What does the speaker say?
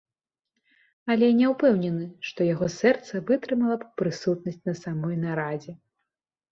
Але не ўпэўнены, што яго сэрца вытрымала б прысутнасць на самой нарадзе.